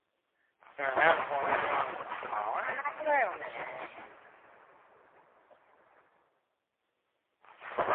Coren wrote Portuguese cooking is the worst on earth.